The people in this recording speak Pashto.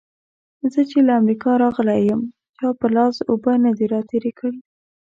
زه چې له امريکا راغلی يم؛ چا پر لاس اوبه نه دې راتېرې کړې.